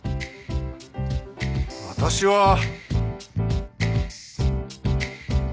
私は。